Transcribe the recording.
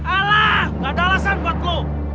alah gak ada alasan buat lo